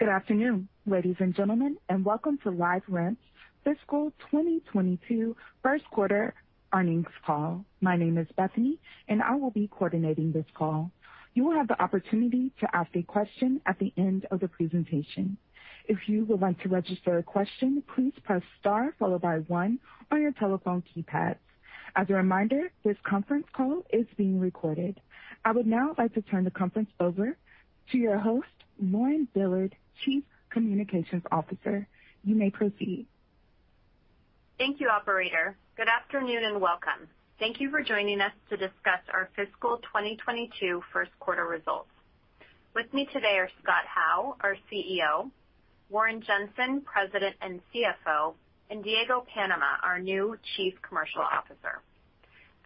Good afternoon, ladies and gentlemen, welcome to LiveRamp's Fiscal 2022 First Quarter Earnings Call. My name is Bethany, I will be coordinating this call. You will have the opportunity to ask a question at the end of the presentation. If you would like to register a question, please press star followed by one on your telephone keypad. As a reminder, this conference call is being recorded. I would now like to turn the conference over to your host, Lauren Dillard, Chief Communications Officer. You may proceed. Thank you, operator. Good afternoon, and welcome. Thank you for joining us to discuss our fiscal 2022 first quarter results. With me today are Scott Howe, our CEO, Warren Jenson, President and CFO, and Diego Panama, our new Chief Commercial Officer.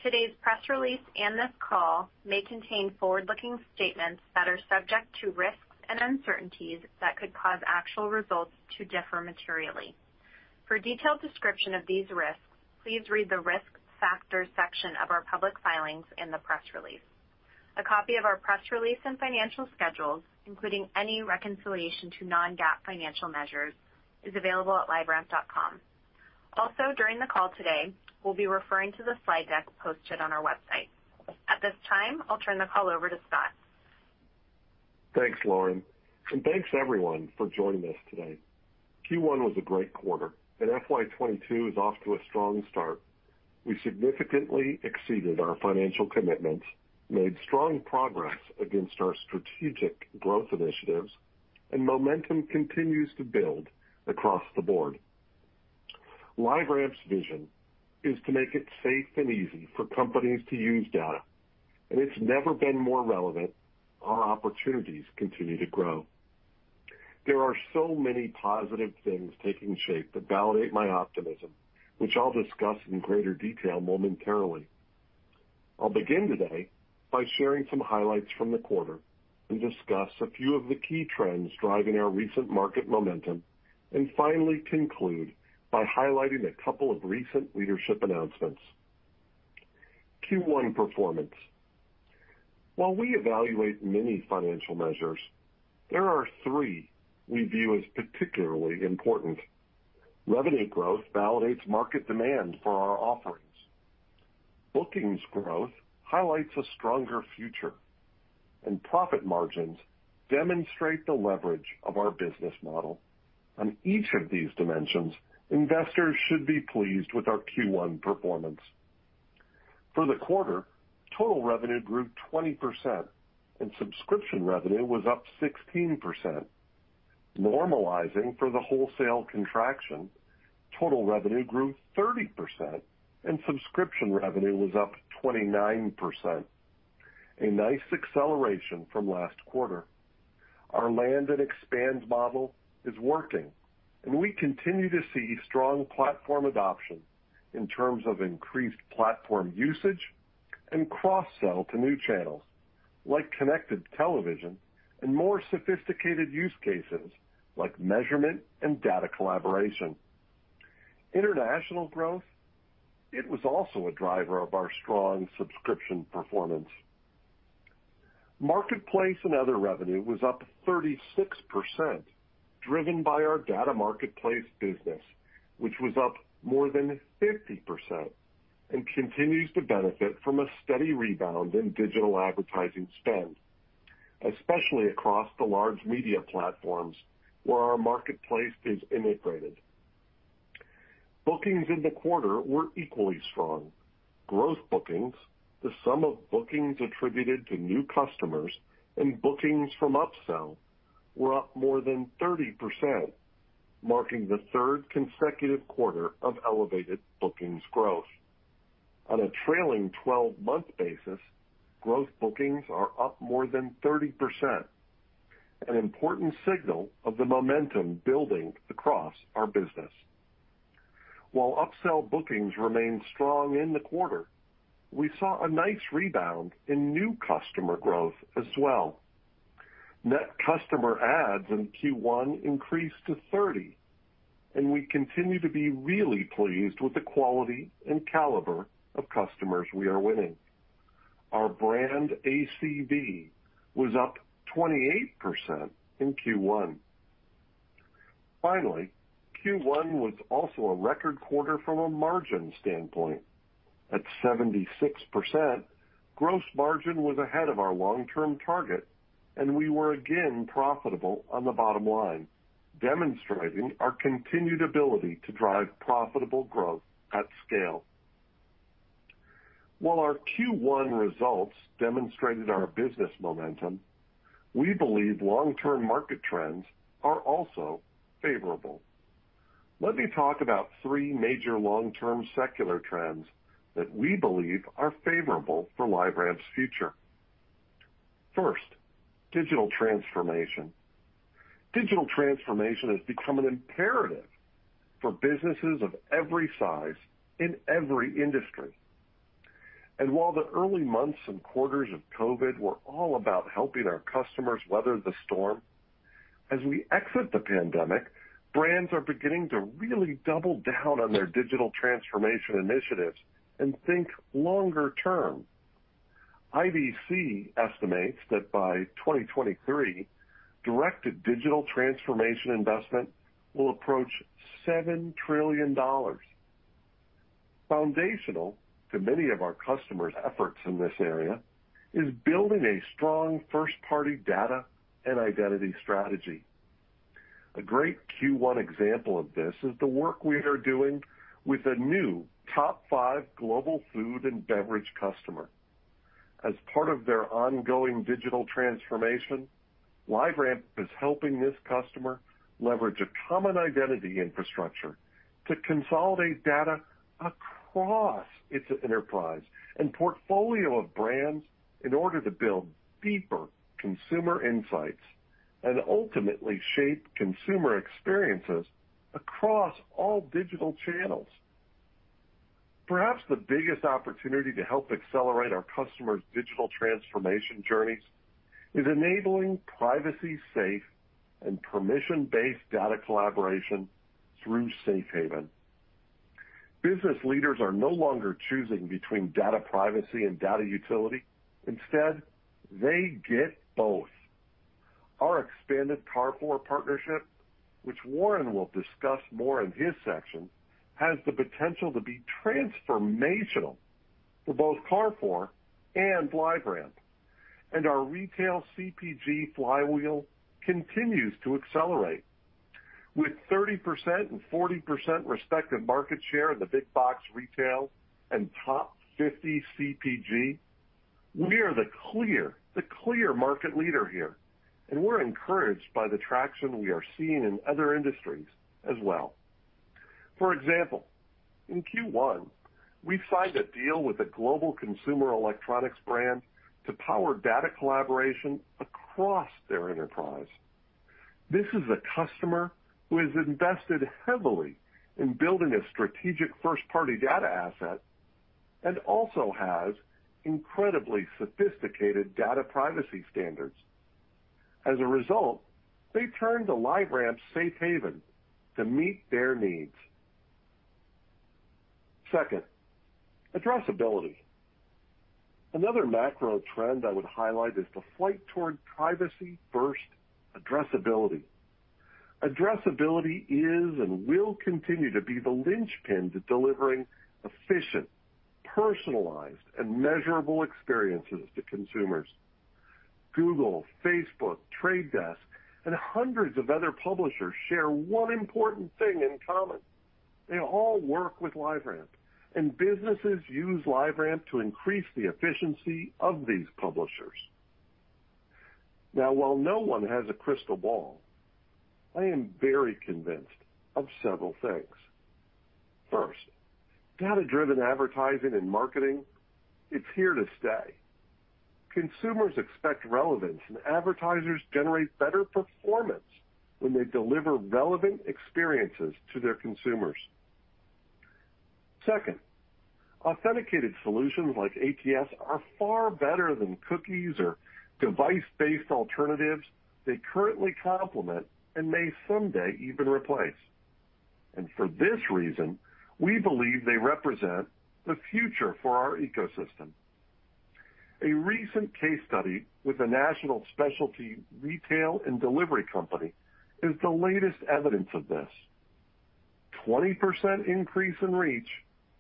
Today's press release and this call may contain forward-looking statements that are subject to risks and uncertainties that could cause actual results to differ materially. For a detailed description of these risks, please read the Risk Factors section of our public filings and the press release. A copy of our press release and financial schedules, including any reconciliation to non-GAAP financial measures, is available at liveramp.com. During the call today, we'll be referring to the slide deck posted on our website. At this time, I'll turn the call over to Scott. Thanks, Lauren, and thanks, everyone, for joining us today. Q1 was a great quarter, and FY2022 is off to a strong start. We significantly exceeded our financial commitments, made strong progress against our strategic growth initiatives, and momentum continues to build across the board. LiveRamp's vision is to make it safe and easy for companies to use data, and it's never been more relevant. Our opportunities continue to grow. There are so many positive things taking shape that validate my optimism, which I'll discuss in greater detail momentarily. I'll begin today by sharing some highlights from the quarter and discuss a few of the key trends driving our recent market momentum, and finally conclude by highlighting a couple of recent leadership announcements. Q1 performance. While we evaluate many financial measures, there are three we view as particularly important. Revenue growth validates market demand for our offerings. Bookings growth highlights a stronger future. Profit margins demonstrate the leverage of our business model. On each of these dimensions, investors should be pleased with our Q1 performance. For the quarter, total revenue grew 20%, and subscription revenue was up 16%. Normalizing for the wholesale contraction, total revenue grew 30%, and subscription revenue was up 29%, a nice acceleration from last quarter. Our land and expand model is working, and we continue to see strong platform adoption in terms of increased platform usage and cross-sell to new channels, like connected television, and more sophisticated use cases, like measurement and data collaboration. International growth, it was also a driver of our strong subscription performance. Marketplace and other revenue was up 36%, driven by our Data Marketplace business, which was up more than 50% and continues to benefit from a steady rebound in digital advertising spend, especially across the large media platforms where our Marketplace is integrated. Bookings in the quarter were equally strong. Growth bookings, the sum of bookings attributed to new customers and bookings from upsell, were up more than 30%, marking the third consecutive quarter of elevated bookings growth. On a trailing 12-month basis, growth bookings are up more than 30%, an important signal of the momentum building across our business. While upsell bookings remained strong in the quarter, we saw a nice rebound in new customer growth as well. Net customer adds in Q1 increased to 30, and we continue to be really pleased with the quality and caliber of customers we are winning. Our brand ACV was up 28% in Q1. Q1 was also a record quarter from a margin standpoint. At 76%, gross margin was ahead of our long-term target, and we were again profitable on the bottom line, demonstrating our continued ability to drive profitable growth at scale. While our Q1 results demonstrated our business momentum, we believe long-term market trends are also favorable. Let me talk about three major long-term secular trends that we believe are favorable for LiveRamp's future. First, digital transformation. Digital transformation has become an imperative for businesses of every size in every industry. While the early months and quarters of COVID were all about helping our customers weather the storm, as we exit the pandemic, brands are beginning to really double down on their digital transformation initiatives and think longer term. IDC estimates that by 2023, directed digital transformation investment will approach $7 trillion. Foundational to many of our customers' efforts in this area is building a strong first-party data and identity strategy. A great Q1 example of this is the work we are doing with a new top five global food and beverage customer. As part of their ongoing digital transformation, LiveRamp is helping this customer leverage a common identity infrastructure to consolidate data across its enterprise and portfolio of brands in order to build deeper consumer insights and ultimately shape consumer experiences across all digital channels. Perhaps the biggest opportunity to help accelerate our customers' digital transformation journeys is enabling privacy safe and permission-based data collaboration through Safe Haven. Business leaders are no longer choosing between data privacy and data utility. Instead, they get both. Our expanded Carrefour partnership, which Warren will discuss more in his section, has the potential to be transformational for both Carrefour and LiveRamp. Our retail CPG flywheel continues to accelerate. With 30% and 40% respective market share in the big box retail and top 50 CPG, we are the clear market leader here, and we're encouraged by the traction we are seeing in other industries as well. For example, in Q1, we signed a deal with a global consumer electronics brand to power data collaboration across their enterprise. This is a customer who has invested heavily in building a strategic first-party data asset and also has incredibly sophisticated data privacy standards. As a result, they turned to LiveRamp Safe Haven to meet their needs. Second, addressability. Another macro trend I would highlight is the flight toward privacy first addressability. Addressability is and will continue to be the linchpin to delivering efficient, personalized, and measurable experiences to consumers. Google, Facebook, Trade Desk, and hundreds of other publishers share one important thing in common. They all work with LiveRamp. Businesses use LiveRamp to increase the efficiency of these publishers. While no one has a crystal ball, I am very convinced of several things. First, data-driven advertising and marketing, it's here to stay. Consumers expect relevance. Advertisers generate better performance when they deliver relevant experiences to their consumers. Second, authenticated solutions like ATS are far better than cookies or device-based alternatives they currently complement and may someday even replace. For this reason, we believe they represent the future for our ecosystem. A recent case study with a national specialty retail and delivery company is the latest evidence of this. 20% increase in reach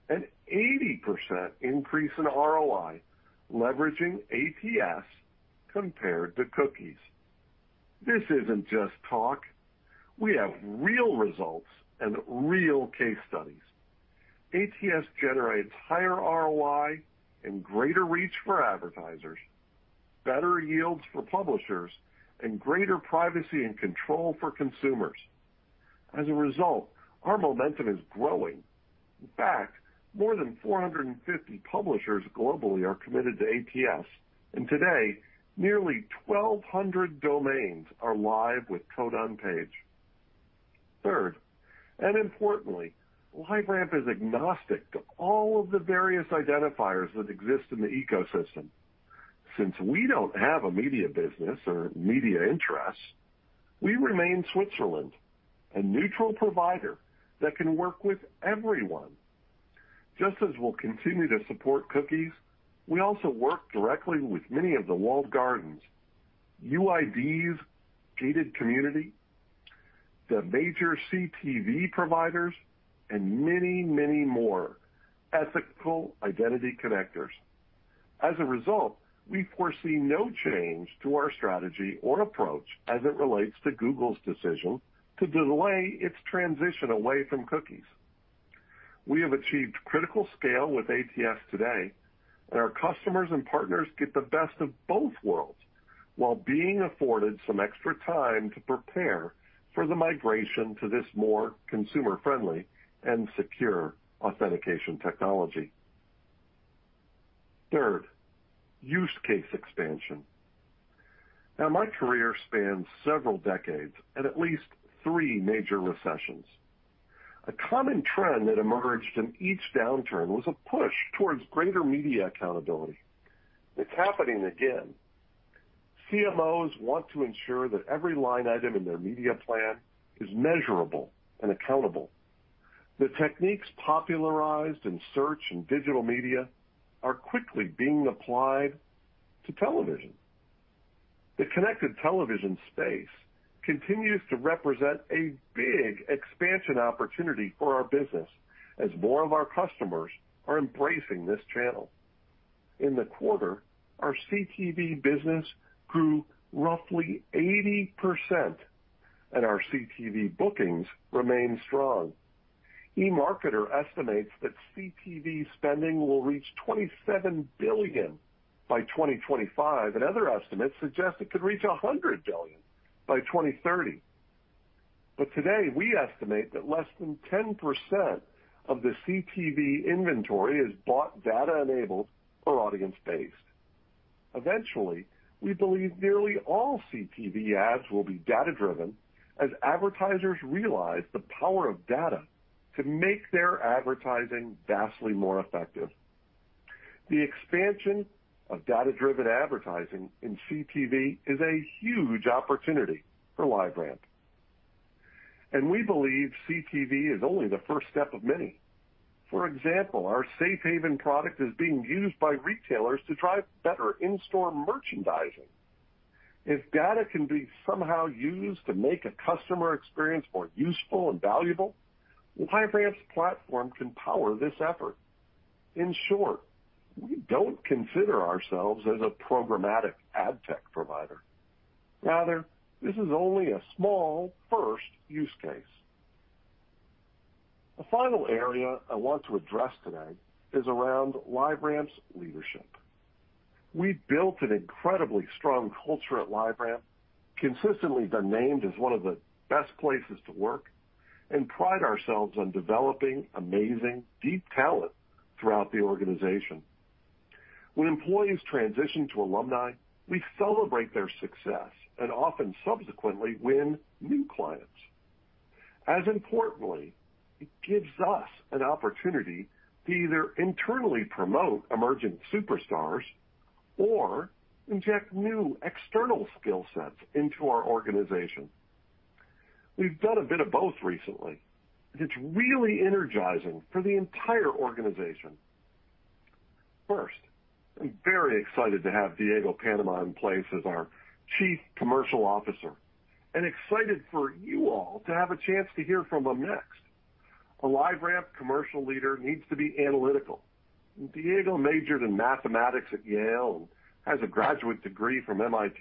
and 80% increase in ROI leveraging ATS compared to cookies. This isn't just talk. We have real results and real case studies. ATS generates higher ROI and greater reach for advertisers, better yields for publishers, and greater privacy and control for consumers. As a result, our momentum is growing. In fact, more than 450 publishers globally are committed to ATS, and today, nearly 1,200 domains are live with code on page. Third, and importantly, LiveRamp is agnostic to all of the various identifiers that exist in the ecosystem. Since we don't have a media business or media interests, we remain Switzerland, a neutral provider that can work with everyone. Just as we'll continue to support cookies, we also work directly with many of the walled gardens, UIDs, gated community, the major CTV providers, and many more ethical identity connectors. As a result, we foresee no change to our strategy or approach as it relates to Google's decision to delay its transition away from cookies. We have achieved critical scale with ATS today, and our customers and partners get the best of both worlds while being afforded some extra time to prepare for the migration to this more consumer-friendly and secure authentication technology. Third, use case expansion. Now my career spans several decades and at least three major recessions. A common trend that emerged in each downturn was a push towards greater media accountability. It's happening again. CMOs want to ensure that every line item in their media plan is measurable and accountable. The techniques popularized in search and digital media are quickly being applied to television. The connected television space continues to represent a big expansion opportunity for our business as more of our customers are embracing this channel. In the quarter, our CTV business grew roughly 80%, and our CTV bookings remain strong. eMarketer estimates that CTV spending will reach $27 billion by 2025. Other estimates suggest it could reach $100 billion by 2030. Today, we estimate that less than 10% of the CTV inventory is bought data-enabled or audience-based. Eventually, we believe nearly all CTV ads will be data-driven as advertisers realize the power of data to make their advertising vastly more effective. The expansion of data-driven advertising in CTV is a huge opportunity for LiveRamp. We believe CTV is only the first step of many. For example, our Safe Haven product is being used by retailers to drive better in-store merchandising. If data can be somehow used to make a customer experience more useful and valuable, LiveRamp's platform can power this effort. In short, we don't consider ourselves as a programmatic ad tech provider. Rather, this is only a small first use case. The final area I want to address today is around LiveRamp's leadership. We've built an incredibly strong culture at LiveRamp, consistently been named as one of the best places to work, and pride ourselves on developing amazing, deep talent throughout the organization. When employees transition to alumni, we celebrate their success and often subsequently win new clients. As importantly, it gives us an opportunity to either internally promote emerging superstars or inject new external skill sets into our organization. We've done a bit of both recently, and it's really energizing for the entire organization. First, I'm very excited to have Diego Panama in place as our Chief Commercial Officer and excited for you all to have a chance to hear from him next. A LiveRamp commercial leader needs to be analytical, and Diego majored in mathematics at Yale and has a graduate degree from MIT.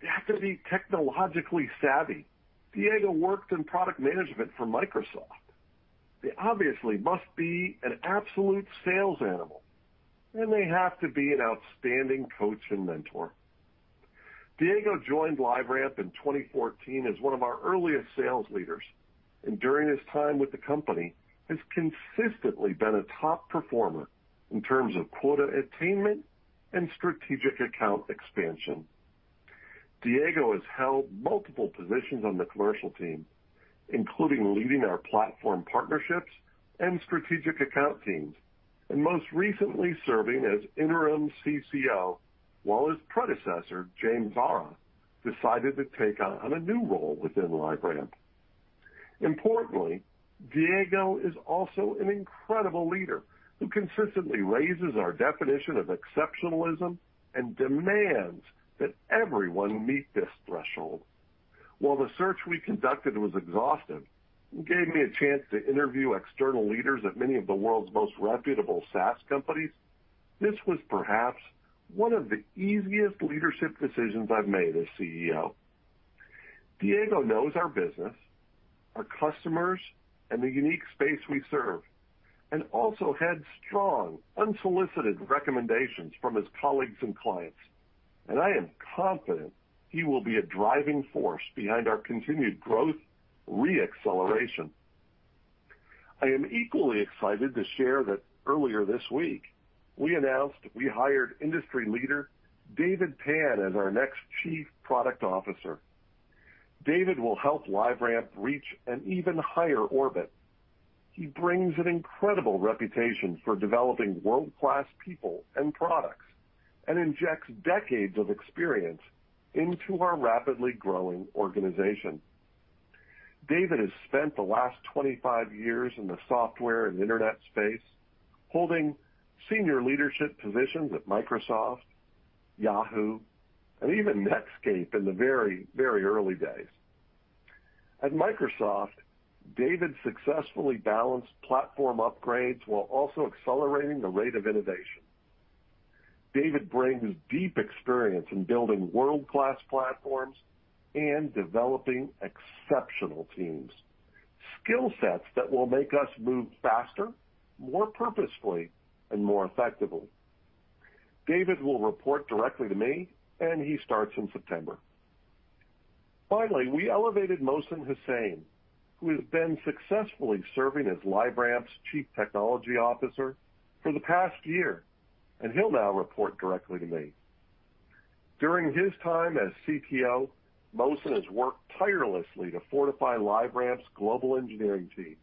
They have to be technologically savvy. Diego worked in product management for Microsoft. They obviously must be an absolute sales animal, and they have to be an outstanding coach and mentor. Diego joined LiveRamp in 2014 as one of our earliest sales leaders, and during his time with the company has consistently been a top performer in terms of quota attainment and strategic account expansion. Diego has held multiple positions on the commercial team, including leading our platform partnerships and strategic account teams, and most recently serving as interim CCO while his predecessor, James Arra, decided to take on a new role within LiveRamp. Importantly, Diego is also an incredible leader who consistently raises our definition of exceptionalism and demands that everyone meet this threshold. While the search we conducted was exhaustive and gave me a chance to interview external leaders at many of the world's most reputable SaaS companies, this was perhaps one of the easiest leadership decisions I've made as CEO. Diego knows our business, our customers, and the unique space we serve, and also had strong, unsolicited recommendations from his colleagues and clients. I am confident he will be a driving force behind our continued growth re-acceleration. I am equally excited to share that earlier this week, we announced we hired industry leader David Pann as our next Chief Product Officer. David Pann will help LiveRamp reach an even higher orbit. He brings an incredible reputation for developing world-class people and products and injects decades of experience into our rapidly growing organization. David has spent the last 25 years in the software and internet space, holding senior leadership positions at Microsoft, Yahoo!, and even Netscape in the very, very early days. At Microsoft, David successfully balanced platform upgrades while also accelerating the rate of innovation. David brings deep experience in building world-class platforms and developing exceptional teams, skill sets that will make us move faster, more purposefully, and more effectively. David will report directly to me, and he starts in September. Finally, we elevated Mohsin Hussain, who has been successfully serving as LiveRamp's Chief Technology Officer for the past one year, and he'll now report directly to me. During his time as CTO, Mohsin has worked tirelessly to fortify LiveRamp's global engineering team,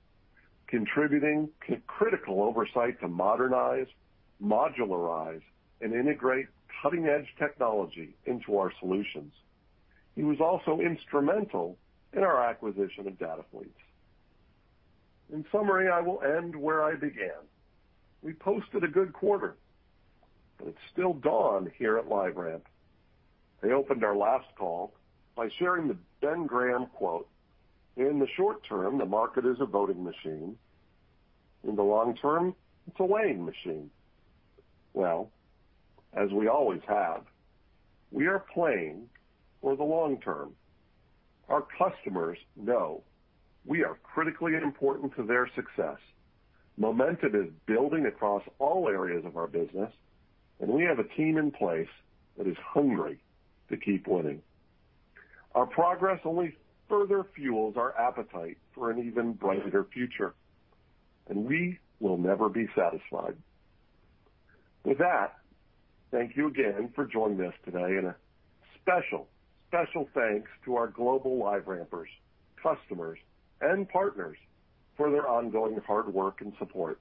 contributing critical oversight to modernize, modularize, and integrate cutting-edge technology into our solutions. He was also instrumental in our acquisition of DataFleets. In summary, I will end where I began. We posted a good quarter, but it's still dawn here at LiveRamp. I opened our last call by sharing the Ben Graham quote, "In the short term, the market is a voting machine. In the long term, it's a weighing machine." Well, as we always have, we are playing for the long term. Our customers know we are critically important to their success. Momentum is building across all areas of our business, and we have a team in place that is hungry to keep winning. Our progress only further fuels our appetite for an even brighter future, and we will never be satisfied. With that, thank you again for joining us today, and a special thanks to our global LiveRampers, customers, and partners for their ongoing hard work and support.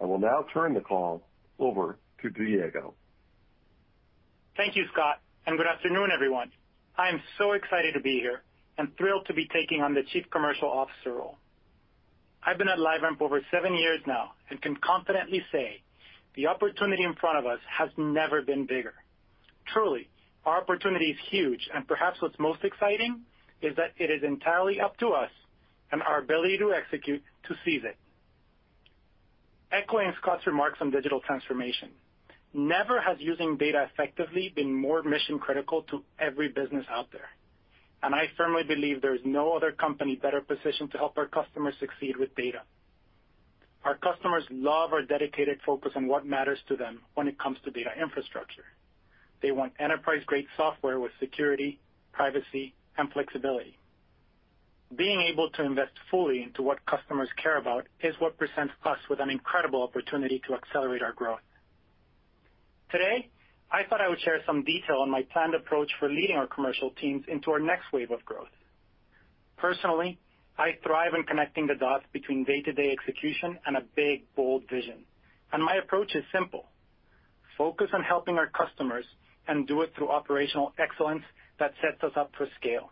I will now turn the call over to Diego. Thank you, Scott. Good afternoon, everyone. I am so excited to be here and thrilled to be taking on the Chief Commercial Officer role. I've been at LiveRamp over seven years now and can confidently say the opportunity in front of us has never been bigger. Truly, our opportunity is huge, and perhaps what's most exciting is that it is entirely up to us and our ability to execute to seize it. Echoing Scott's remarks on digital transformation, never has using data effectively been more mission-critical to every business out there, and I firmly believe there is no other company better positioned to help our customers succeed with data. Our customers love our dedicated focus on what matters to them when it comes to data infrastructure. They want enterprise-grade software with security, privacy, and flexibility. Being able to invest fully into what customers care about is what presents us with an incredible opportunity to accelerate our growth. Today, I thought I would share some detail on my planned approach for leading our commercial teams into our next wave of growth. Personally, I thrive in connecting the dots between day-to-day execution and a big, bold vision. My approach is simple, focus on helping our customers and do it through operational excellence that sets us up for scale.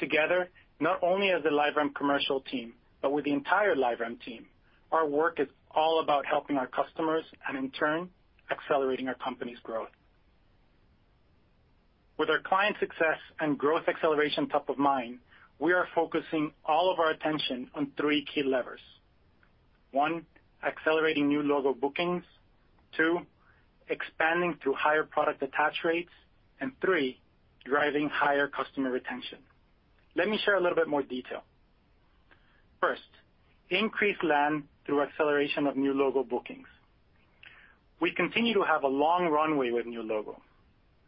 Together, not only as a LiveRamp commercial team, but with the entire LiveRamp team, our work is all about helping our customers and in turn, accelerating our company's growth. With our client success and growth acceleration top of mind, we are focusing all of our attention on three key levers. One, accelerating new logo bookings. Two, expanding to higher product attach rates. Three, driving higher customer retention. Let me share a little bit more detail. First, increase land through acceleration of new logo bookings. We continue to have a long runway with new logo.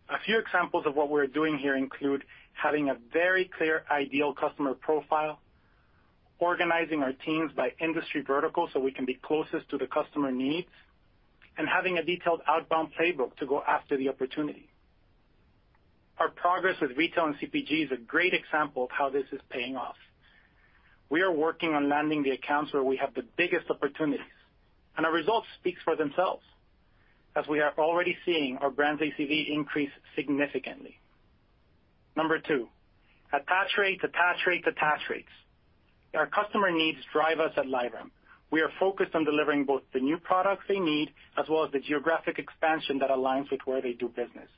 A few examples of what we're doing here include having a very clear ideal customer profile, organizing our teams by industry vertical so we can be closest to the customer needs, and having a detailed outbound playbook to go after the opportunity. Our progress with retail and CPG is a great example of how this is paying off. We are working on landing the accounts where we have the biggest opportunities, and our results speak for themselves, as we are already seeing our brands' ACV increase significantly. Number two, attach rates, attach rates, attach rates. Our customer needs drive us at LiveRamp. We are focused on delivering both the new products they need as well as the geographic expansion that aligns with where they do business.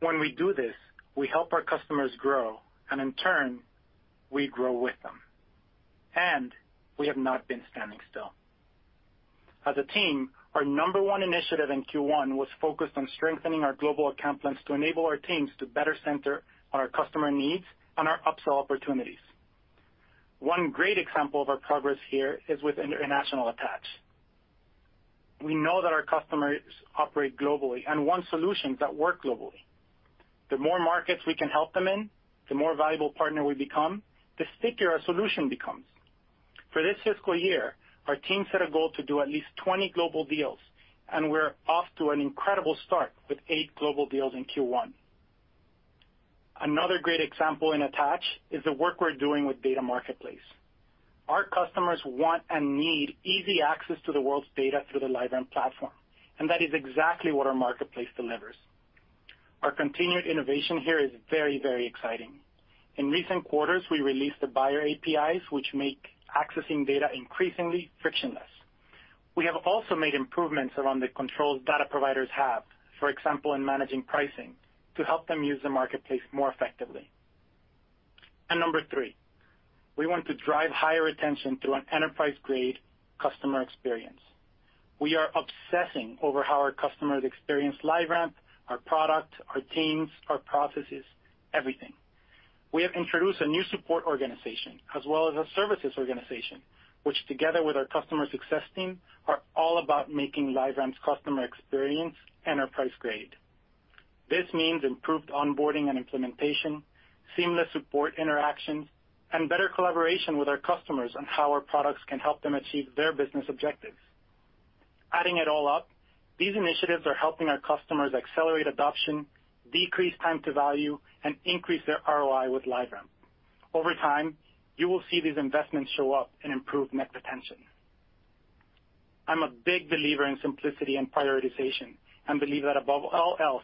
When we do this, we help our customers grow, and in turn, we grow with them. We have not been standing still. As a team, our number one initiative in Q1 was focused on strengthening our global account plans to enable our teams to better center our customer needs and our upsell opportunities. One great example of our progress here is with international attach. We know that our customers operate globally and want solutions that work globally. The more markets we can help them in, the more valuable partner we become, the stickier our solution becomes. For this fiscal year, our team set a goal to do at least 20 global deals, and we're off to an incredible start with eight global deals in Q1. Another great example in attach is the work we're doing with Data Marketplace. Our customers want and need easy access to the world's data through the LiveRamp platform, and that is exactly what our marketplace delivers. Our continued innovation here is very exciting. In recent quarters, we released the buyer APIs, which make accessing data increasingly frictionless. We have also made improvements around the controls data providers have, for example, in managing pricing, to help them use the marketplace more effectively. Number three, we want to drive higher retention through an enterprise-grade customer experience. We are obsessing over how our customers experience LiveRamp, our product, our teams, our processes, everything. We have introduced a new support organization as well as a services organization, which together with our customer success team, are all about making LiveRamp's customer experience enterprise-grade. This means improved onboarding and implementation, seamless support interactions, and better collaboration with our customers on how our products can help them achieve their business objectives. Adding it all up, these initiatives are helping our customers accelerate adoption, decrease time to value, and increase their ROI with LiveRamp. Over time, you will see these investments show up in improved net retention. I'm a big believer in simplicity and prioritization, and believe that above all else,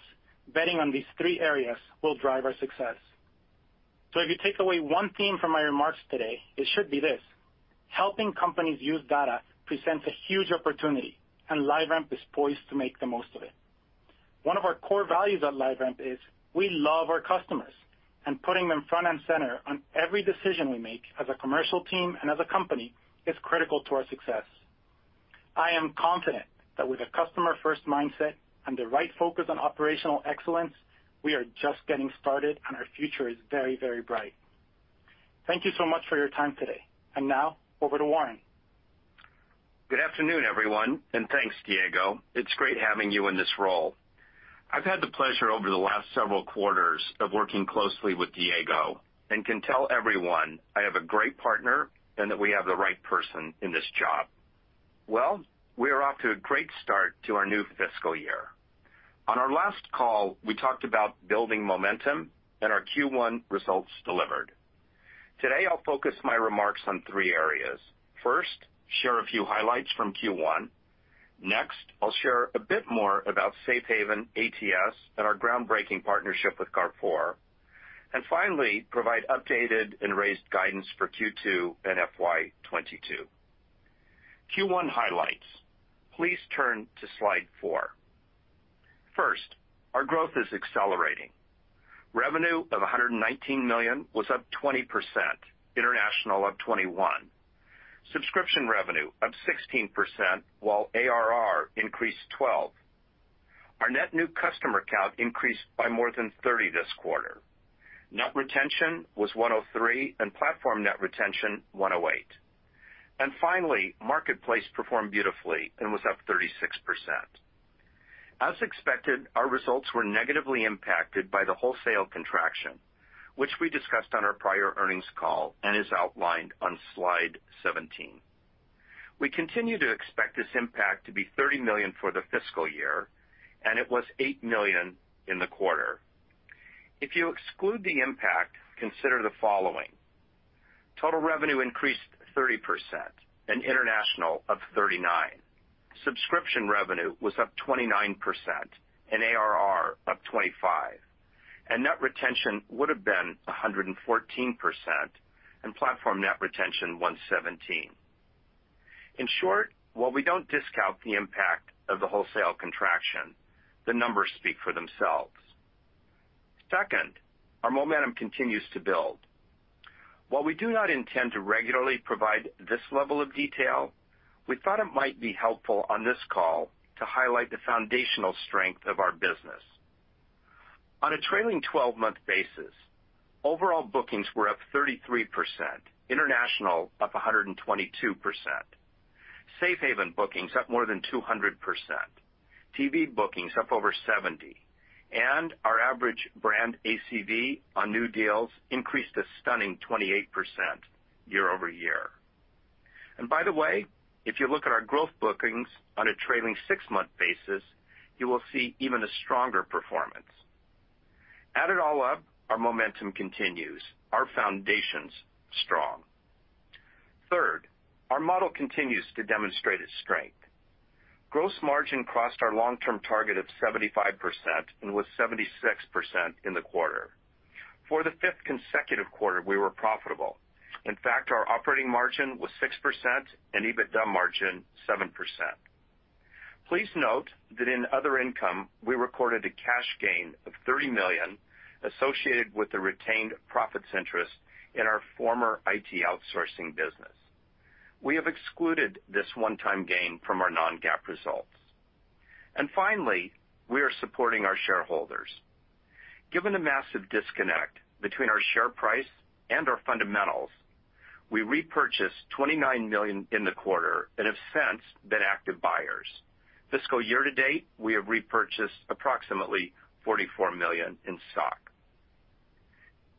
betting on these three areas will drive our success. If you take away one theme from my remarks today, it should be this. Helping companies use data presents a huge opportunity, and LiveRamp is poised to make the most of it. One of our core values at LiveRamp is we love our customers, and putting them front and center on every decision we make as a commercial team and as a company is critical to our success. I am confident that with a customer-first mindset and the right focus on operational excellence, we are just getting started, and our future is very, very bright. Thank you so much for your time today, and now over to Warren. Good afternoon, everyone. Thanks, Diego. It's great having you in this role. I've had the pleasure over the last several quarters of working closely with Diego and can tell everyone I have a great partner and that we have the right person in this job. Well, we are off to a great start to our new fiscal year. On our last call, we talked about building momentum, and our Q1 results delivered. Today, I'll focus my remarks on three areas. First, I'll share a few highlights from Q1. Next, I'll share a bit more about Safe Haven, ATS, and our groundbreaking partnership with Carrefour. Finally, I'll provide updated and raised guidance for Q2 and FY2022. Q1 highlights. Please turn to slide four. First, our growth is accelerating. Revenue of $119 million was up 20%, international up 21%. Subscription revenue up 16%, while ARR increased 12%. Our net new customer count increased by more than 30 this quarter. Net retention was 103, and platform net retention, 108. Finally, marketplace performed beautifully and was up 36%. As expected, our results were negatively impacted by the wholesale contraction, which we discussed on our prior earnings call and is outlined on slide 17. We continue to expect this impact to be $30 million for the fiscal year, and it was $8 million in the quarter. If you exclude the impact, consider the following. Total revenue increased 30%, and international up 39%. Subscription revenue was up 29%, and ARR up 25%. Net retention would've been 114%, and platform net retention 117%. In short, while we don't discount the impact of the wholesale contraction, the numbers speak for themselves. Second, our momentum continues to build. While we do not intend to regularly provide this level of detail, we thought it might be helpful on this call to highlight the foundational strength of our business. On a trailing 12-month basis, overall bookings were up 33%, international up 122%. Safe Haven bookings up more than 200%. TV bookings up over 70%. Our average brand ACV on new deals increased a stunning 28% year-over-year. By the way, if you look at our growth bookings on a trailing six-month basis, you will see even a stronger performance. Add it all up, our momentum continues. Our foundation's strong. Third, our model continues to demonstrate its strength. Gross margin crossed our long-term target of 75% and was 76% in the quarter. For the fifth consecutive quarter, we were profitable. In fact, our operating margin was 6% and EBITDA margin 7%. Please note that in other income, we recorded a cash gain of $30 million associated with the retained profits interest in our former IT outsourcing business. We have excluded this one-time gain from our non-GAAP results. Finally, we are supporting our shareholders. Given the massive disconnect between our share price and our fundamentals, we repurchased $29 million in the quarter and have since been active buyers. Fiscal year to date, we have repurchased approximately $44 million in stock.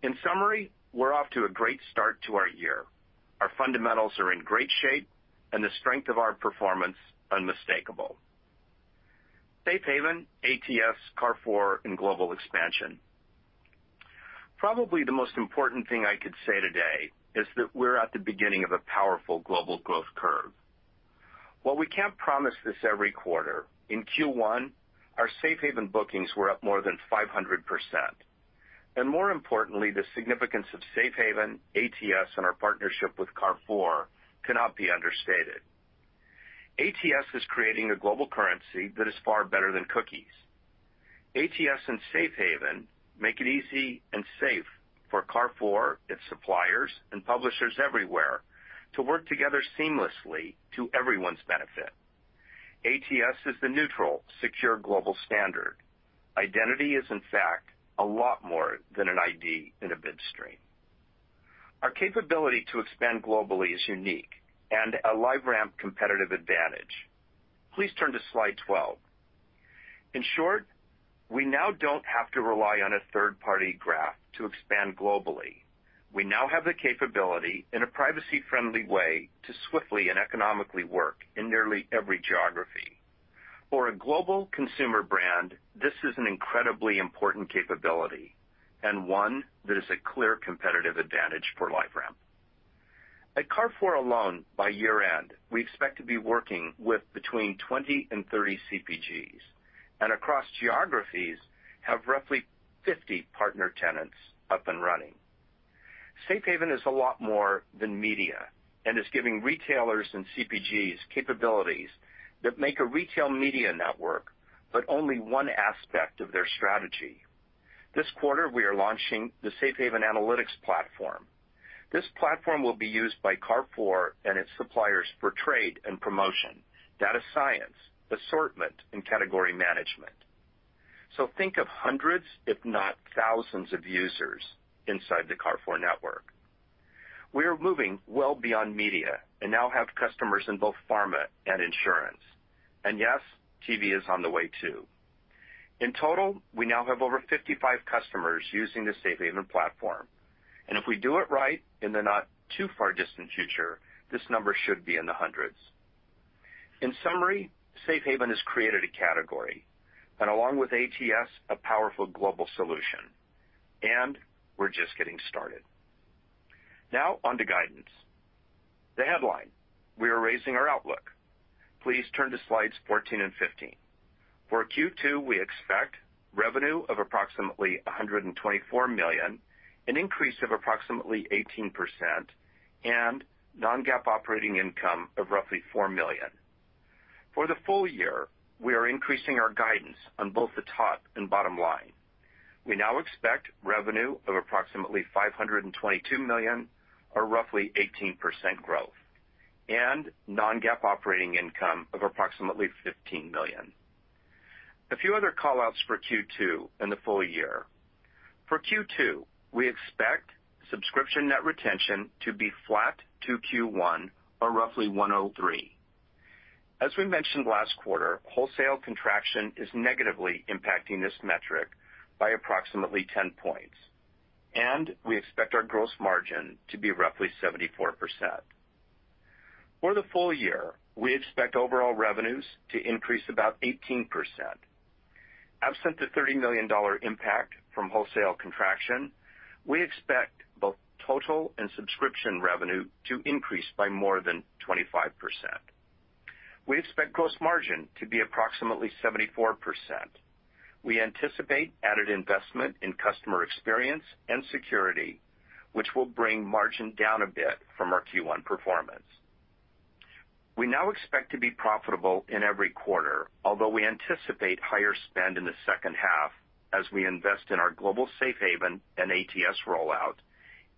In summary, we're off to a great start to our year. Our fundamentals are in great shape and the strength of our performance unmistakable. Safe Haven, ATS, Carrefour, and global expansion. Probably the most important thing I could say today is that we're at the beginning of a powerful global growth curve. While we can't promise this every quarter, in Q1, our Safe Haven bookings were up more than 500%. More importantly, the significance of Safe Haven, ATS, and our partnership with Carrefour cannot be understated. ATS is creating a global currency that is far better than cookies. ATS and Safe Haven make it easy and safe for Carrefour, its suppliers, and publishers everywhere to work together seamlessly to everyone's benefit. ATS is the neutral, secure global standard. Identity is, in fact, a lot more than an ID in a bid stream. Our capability to expand globally is unique and a LiveRamp competitive advantage. Please turn to slide 12. In short, we now don't have to rely on a third-party graph to expand globally. We now have the capability, in a privacy-friendly way, to swiftly and economically work in nearly every geography. For a global consumer brand, this is an incredibly important capability and one that is a clear competitive advantage for LiveRamp. At Carrefour alone, by year-end, we expect to be working with between 20 and 30 CPGs, and across geographies, have roughly 50 partner tenants up and running. Safe Haven is a lot more than media and is giving retailers and CPGs capabilities that make a retail media network but only one aspect of their strategy. This quarter, we are launching the Safe Haven Analytics platform. This platform will be used by Carrefour and its suppliers for trade and promotion, data science, assortment, and category management. Think of hundreds, if not thousands, of users inside the Carrefour network. We are moving well beyond media and now have customers in both pharma and insurance. Yes, TV is on the way too. In total, we now have over 55 customers using the Safe Haven platform. If we do it right, in the not-too-far distant future, this number should be in the hundreds. In summary, Safe Haven has created a category and along with ATS, a powerful global solution. We're just getting started. Now on to guidance. The headline, we are raising our outlook. Please turn to slides 14 and 15. For Q2, we expect revenue of approximately $124 million, an increase of approximately 18%, and non-GAAP operating income of roughly $4 million. For the full year, we are increasing our guidance on both the top and bottom line. We now expect revenue of approximately $522 million or roughly 18% growth and non-GAAP operating income of approximately $15 million. A few other call-outs for Q2 and the full year. For Q2, we expect subscription net retention to be flat to Q1 or roughly 103%. As we mentioned last quarter, wholesale contraction is negatively impacting this metric by approximately 10 points, and we expect our gross margin to be roughly 74%. For the full year, we expect overall revenues to increase about 18%. Absent the $30 million impact from wholesale contraction, we expect both total and subscription revenue to increase by more than 25%. We expect gross margin to be approximately 74%. We anticipate added investment in customer experience and security, which will bring margin down a bit from our Q1 performance. We now expect to be profitable in every quarter, although we anticipate higher spend in the second half as we invest in our global Safe Haven and ATS rollout